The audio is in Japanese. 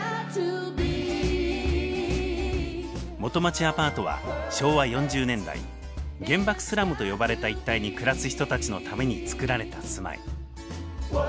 基町アパートは昭和４０年代原爆スラムと呼ばれた一帯に暮らす人たちのために造られた住まい。